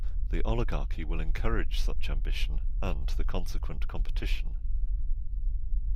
The Oligarchy will encourage such ambition and the consequent competition.